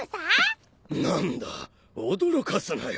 何だ驚かすなよ。